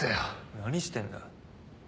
何してんだ？